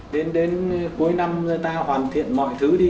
đến cuối năm người ta hoàn thiện mọi thứ đi